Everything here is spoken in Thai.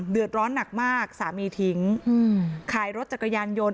เดือดร้อนหนักมากสามีทิ้งขายรถจักรยานยนต์